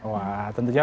wah tentu saja